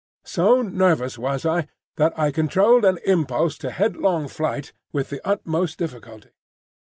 So nervous was I that I controlled an impulse to headlong flight with the utmost difficulty.